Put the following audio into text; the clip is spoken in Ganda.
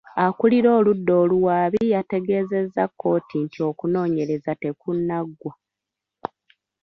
Akulira oludda oluwaabi yategeezezza kkooti nti okunooyereza tekunnaggwa.